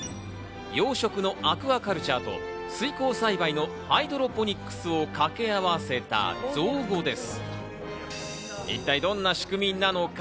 養殖のアクアカルチャーと水耕栽培のハイドロポニックスを掛け合わせた造語です。